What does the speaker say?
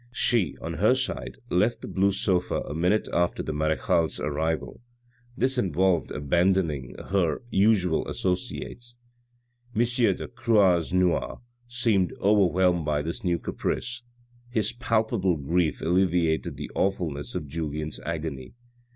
She, on her side, left the blue sofa a minute after the marechale's arrival; this involved abandoning her 27 418 THE RED AND THE BLACK usual associates. M. de Croisenois seemed overwhelmed by this new caprice : his palpable grief alleviated the awfulness of Julien's agony.